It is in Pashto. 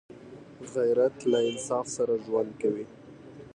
غیرت له انصاف سره ژوند کوي